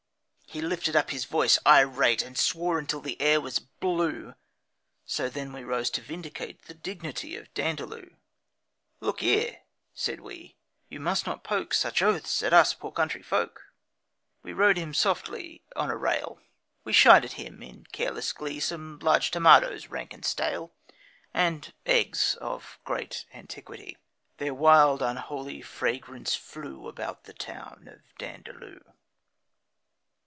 He lifted up his voice, irate, And swore till all the air was blue; So then we rose to vindicate The dignity of Dandaloo. 'Look here,' said we, 'you must not poke Such oaths at us poor country folk.' We rode him softly on a rail, We shied at him, in careless glee, Some large tomatoes, rank and stale, And eggs of great antiquity Their wild, unholy fragrance flew About the town of Dandaloo.